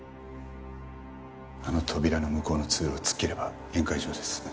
あの扉の向こうの通路を突っ切れば宴会場です。